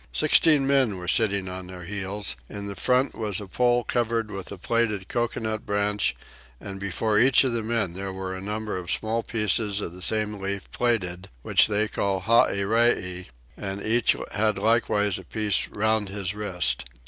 Sixteen men were sitting on their heels; in the front was a pole covered with a plaited coconut branch, and before each of the men there was a number of small pieces of the same leaf plaited, which they call Hahyree, and each had likewise a piece round his wrist.